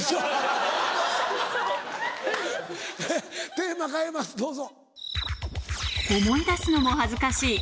テーマ変えますどうぞ。